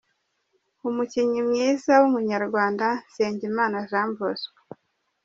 Umukinnyi mwiza w’umunyarwanda: Nsengimana Jean Bosco.